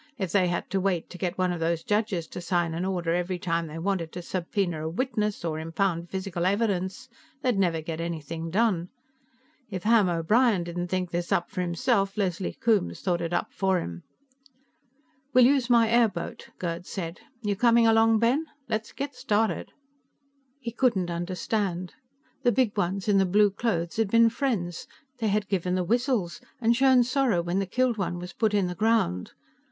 If they had to wait to get one of the judges to sign an order every time they wanted to subpoena a witness or impound physical evidence, they'd never get anything done. If Ham O'Brien didn't think this up for himself, Leslie Coombes thought it up for him." "We'll use my airboat," Gerd said. "You coming along, Ben? Let's get started." He couldn't understand. The Big Ones in the blue clothes had been friends; they had given the whistles, and shown sorrow when the killed one was put in the ground.